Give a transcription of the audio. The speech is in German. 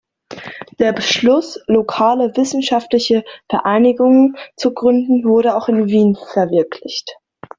Der Beschluss, lokale wissenschaftliche Vereinigungen zu gründen, wurde auch in Wien verwirklicht.